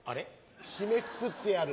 締めくくってやる。